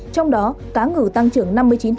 trong đó cá ngự tăng trưởng năm mươi chín